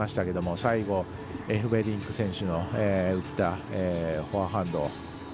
最後、エフベリンク選手の打ったフォアハンド。